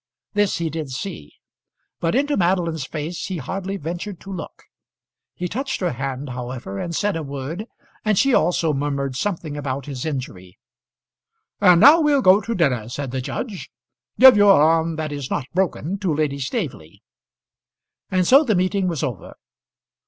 This he did see, but into Madeline's face he hardly ventured to look. He touched her hand, however, and said a word; and she also murmured something about his injury. "And now we'll go to dinner," said the judge. "Give your arm that is not broken to Lady Staveley." And so the meeting was over.